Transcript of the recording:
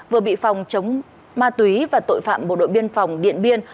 vừa bị phòng chống ma túy và tội phạm bộ đội biên phòng điện biên